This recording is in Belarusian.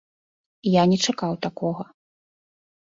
Я не чакаў такога.